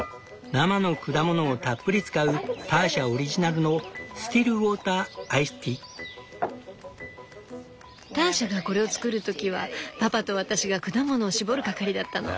生の果物をたっぷり使うターシャオリジナルのターシャがこれを作る時はパパと私が果物を搾る係だったの。